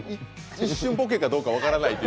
一瞬ボケかどうか分からない。